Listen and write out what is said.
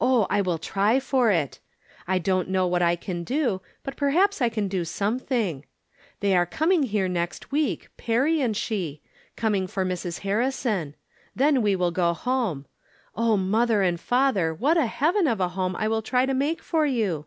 Oh, I will try for it. I don't know what I can do, but perhaps I can do something. They are coming here next week, Perry and she — coming for Mrs. Harrison ; then we wUl go home. Oh, mother and father, what a heaven of a home I will try to make for you